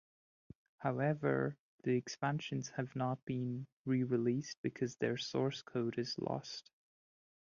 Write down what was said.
However, the expansions have not been re-released because their source code is lost.